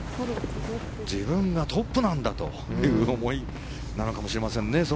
自分がトップなんだという思いなのかもしれませんね。